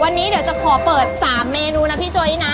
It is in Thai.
วันนี้เดี๋ยวจะขอเปิด๓เมนูนะพี่โจ๊ยนะ